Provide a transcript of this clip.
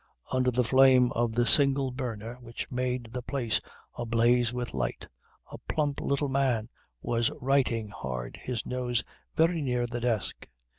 Under the flame of the single burner which made the place ablaze with light, a plump, little man was writing hard, his nose very near the desk.